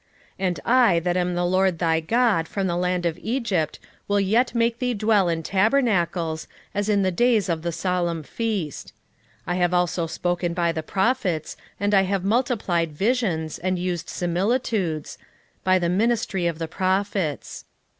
12:9 And I that am the LORD thy God from the land of Egypt will yet make thee to dwell in tabernacles, as in the days of the solemn feast. 12:10 I have also spoken by the prophets, and I have multiplied visions, and used similitudes, by the ministry of the prophets.